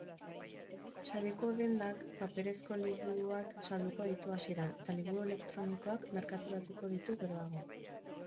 Sareko dendak paperezko liburuak salduko ditu hasieran eta liburu elektronikoak merkaturatuko ditu geroago.